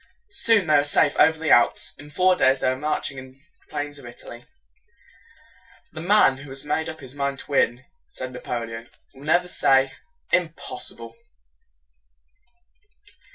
Soon they were safe over the Alps. In four days they were marching on the plains of Italy. "The man who has made up his mind to win," said Napoleon, "will never say 'Im pos si ble.'"